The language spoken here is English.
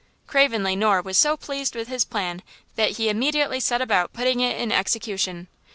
Craven Le Noir was so pleased with his plan that he immediately set about putting it in execution.